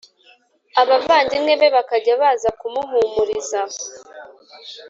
Abavandimwe be bakajya baza kumuhumuriza